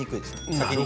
先に。